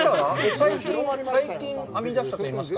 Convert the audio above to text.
最近、編み出したといいますか。